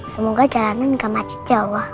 semoga jalanan tidak macit jauh